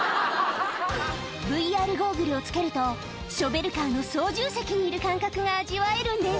ＶＲゴーグルをつけると、ショベルカーの操縦席にいる感覚が味わえるんです。